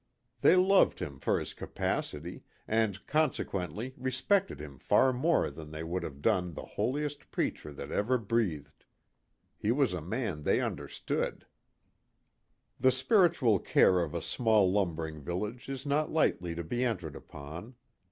They loved him for his capacity, and consequently respected him far more than they would have done the holiest preacher that ever breathed. He was a man they understood. The spiritual care of a small lumbering village is not lightly to be entered upon.